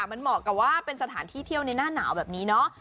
มันเหมาะกับว่าเป็นสถานที่เที่ยวในหน้าหนาวแบบนี้เนาะ